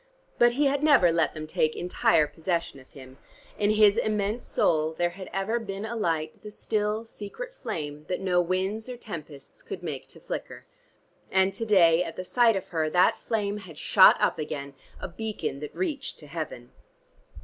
But he had never let them take entire possession of him: in his immense soul there had ever been alight the still, secret flame that no winds or tempests could make to flicker. And to day, at the sight of her, that flame had shot up again, a beacon that reached to heaven.